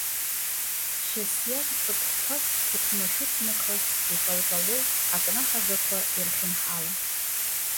Шьасиа лҵыкқәак қәықәма-шәықәмаха, икалкало акнаҳагақәа ирхьынҳалан.